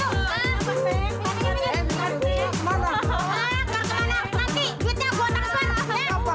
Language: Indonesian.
ha kemana nanti duitnya gue taruh ke sana